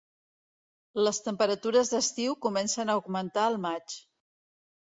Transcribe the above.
Les temperatures d'estiu comencen a augmentar al maig.